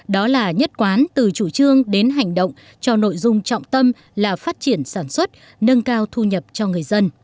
đó là nhất quán từ chủ trương đến hành động cho nội dung trọng tâm là phát triển sản xuất nâng cao thu nhập cho người dân